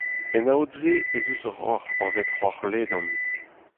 En aod-se ez eus ur roc'h anvet Roc'h-Ledan.